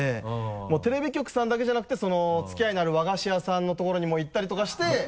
もうテレビ局さんだけじゃなくて付き合いのある和菓子屋さんのところにも行ったりとかして。